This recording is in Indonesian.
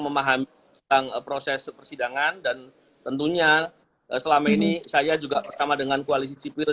memahami tentang proses persidangan dan tentunya selama ini saya juga bersama dengan koalisi sipil